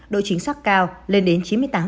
độ chính xác cao lên đến chín mươi tám năm mươi